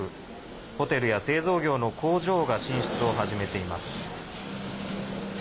ホテルや製造業の工場が進出を始めています。